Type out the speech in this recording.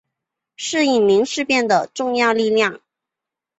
是伊宁事变的重要力量。